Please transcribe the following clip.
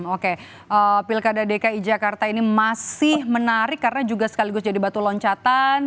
oke pilkada dki jakarta ini masih menarik karena juga sekaligus jadi batu loncatan